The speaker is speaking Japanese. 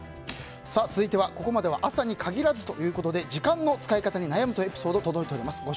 続いては、ここまでは朝に限らずということで時間の使い方に悩むというエピソード届いています。